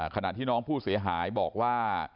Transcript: ขณะที่น้องผู้เสียหายบอกว่า